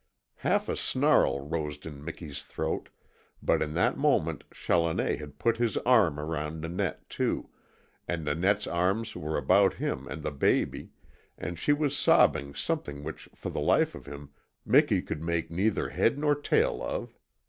Half a snarl rose in Miki's throat, but in that moment Challoner had put his arm around Nanette too, and Nanette's arms were about him and the baby, and she was sobbing something which for the life of him Miki could make neither head nor tail of.